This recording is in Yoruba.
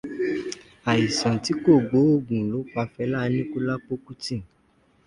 Àìsàn tí kò gbóògun ló pa Fẹlá Aníkúlápó Kútì